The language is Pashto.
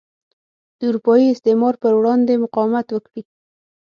د اروپايي استعمار پر وړاندې مقاومت وکړي.